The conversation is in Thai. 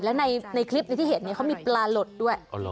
แล้วในในคลิปที่ที่เห็นเนี้ยเขามีปลาหลดด้วยอ๋อเหรอ